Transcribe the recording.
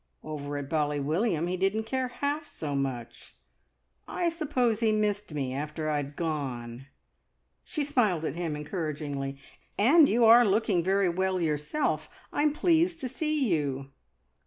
Over at Bally William he didn't care half so much. I suppose he missed me, after I'd gone!" She smiled at him encouragingly. "And you are looking very well yourself. I'm pleased to see you!"